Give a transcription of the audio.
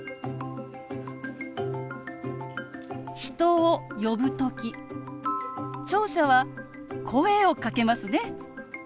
人を呼ぶ時聴者は声をかけますね。